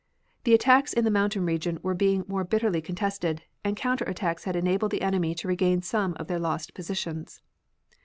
The attacks in the mountain region were being more bitterly contested, and counter attacks had enabled the enemy to regain some of their lost positions.